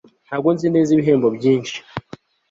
Ntabwo nzi neza ibihembo byinshi